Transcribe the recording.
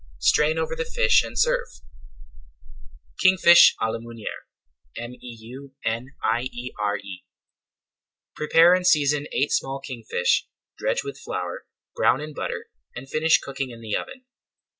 Strain over the fish and serve. KINGFISH À LA MEUNIÈRE Prepare and season eight small kingfish, dredge with flour, brown in butter, and finish cooking in the oven.